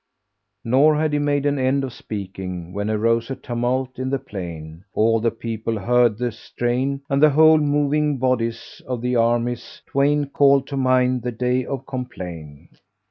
Nor had he made an end of speaking, when arose a tumult in the plain; all the people heard the strain and the whole moving bodies of the armies twain called to mind the Day of Complain.